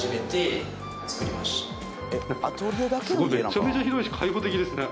めちゃめちゃ広いし開放的ですね。